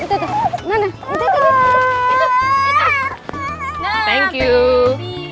yuk kita pulang yuk